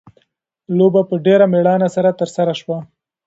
لوبه په ډېره مېړانه سره ترسره شوه.